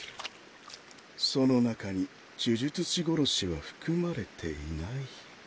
その中に呪術師殺しは含まれていない。